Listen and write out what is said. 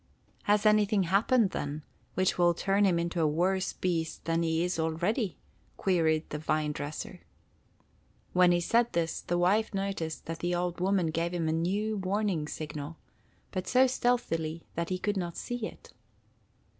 "Has anything happened, then, which will turn him into a worse beast than he is already?" queried the vine dresser. When he said this, the wife noticed that the old woman gave him a new warning signal, but so stealthily that he could not see it.